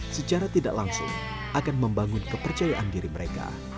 secara tidak langsung akan membangun kepercayaan diri mereka